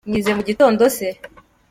Mwize mugitondo se?